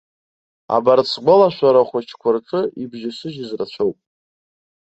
Абарҭ сгәалашәара хәыҷқәа рҿы ибжьасыжьыз рацәоуп.